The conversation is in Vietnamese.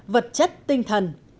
vật chất tinh thần